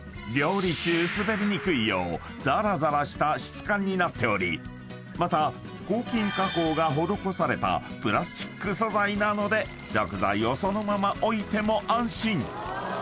［料理中滑りにくいようザラザラした質感になっておりまた抗菌加工が施されたプラスチック素材なので食材をそのまま置いても安心！］